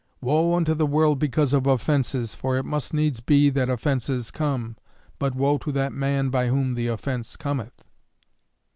"Woe unto the world because of offenses, for it must needs be that offenses come, but woe to that man by whom the offense cometh."